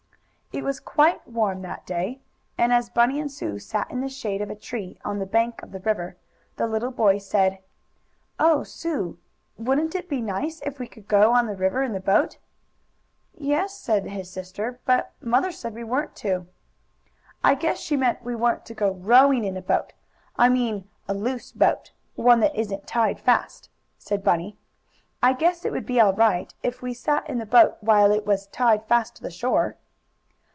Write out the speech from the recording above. It was quite warm that day, and, as Bunny and Sue sat in the shade of a tree on the bank of the river, the little boy said: "Oh, Sue, wouldn't it be nice if we could go on the river in the boat?" "Yes," said his sister, "but mother said we weren't to." "I guess she meant we weren't to go ROWING in a boat I mean a loose boat one that isn't tied fast," said Bunny. "I guess it would be all right if we sat in the boat while it was tied fast to shore."